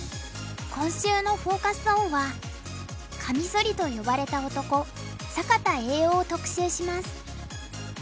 今週のフォーカス・オンはカミソリと呼ばれた男坂田栄男を特集します。